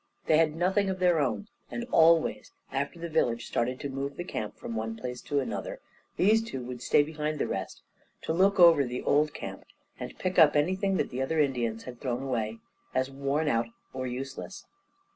They had nothing of their own; and always, after the village started to move the camp from one place to another, these two would stay behind the rest, to look over the old camp and pick up anything that the other Indians had thrown away as worn out or useless.